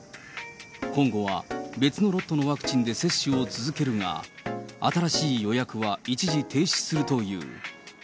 今後は別のロットのワクチンで接種を続けるが、新しい予約は一時停止するという。